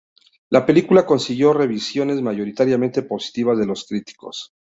La película consiguió revisiones mayoritariamente positivas de los críticos.